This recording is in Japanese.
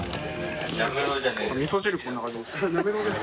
・みそ汁こんな感じです。